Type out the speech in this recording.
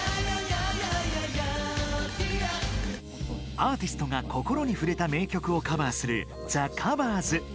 アーティストが心に触れた名曲をカバーする「ＴｈｅＣｏｖｅｒｓ」。